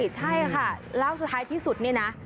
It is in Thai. ใช่ค่ะแล้วสุดท้ายที่สุดเนี่ยนะ